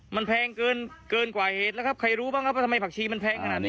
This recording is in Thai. มันแพงเกินเกินกว่าเหตุแล้วครับใครรู้บ้างครับว่าทำไมผักชีมันแพงขนาดนี้